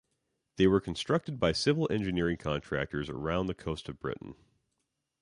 They were constructed by civil engineering contractors around the coast of Britain.